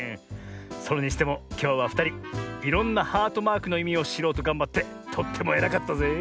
それにしてもきょうはふたりいろんなハートマークのいみをしろうとがんばってとってもえらかったぜえ。